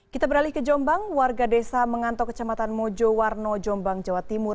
kita beralih ke jombang warga desa mengantok kecamatan mojo warno jombang jawa timur